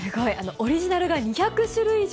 オリジナルが２００種類以上。